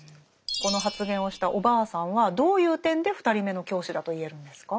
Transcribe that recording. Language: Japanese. この発言をしたおばあさんはどういう点で２人目の教師だと言えるんですか？